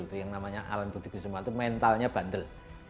itu yang namanya alan budi kusuma itu mentalnya bandel